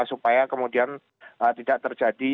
supaya kemudian tidak terjadi